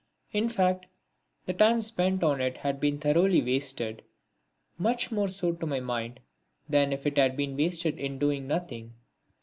In fact the time spent on it had been thoroughly wasted; much more so to my mind than if it had been wasted in doing nothing.